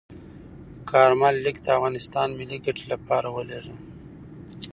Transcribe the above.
کارمل لیک د افغانستان ملي ګټې لپاره ولیږه.